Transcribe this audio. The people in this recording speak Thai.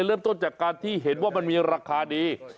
เริ่มต้นจากการที่เห็นว่ามันมีราคาดี